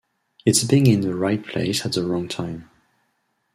It's being in the right place at the wrong time.